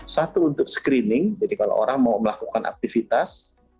satu untuk screening jadi kalau orang mau melakukan aktivitas